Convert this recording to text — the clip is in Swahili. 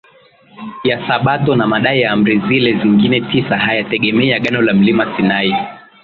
ya Sabato na madai ya Amri zile zingine tisa hayategemei agano la Mlima Sinai